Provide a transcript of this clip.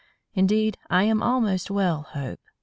Indeed, I am almost well, Hope.